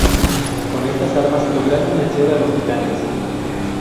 Con estas armas, lograron vencer a los titanes.